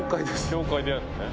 教会でやるのね。